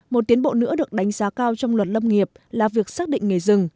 một tiến bộ nữa được đánh giá cao trong luật lâm nghiệp là việc xác định nghề rừng